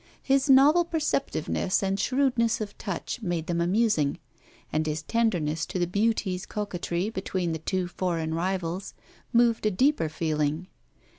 His novel perceptiveness and shrewdness of touch made them amusing; and his tenderness to the Beauty's coquettry between the two foreign rivals, moved a deeper feeling.